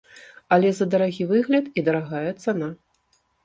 Але за дарагі выгляд і дарагая цана.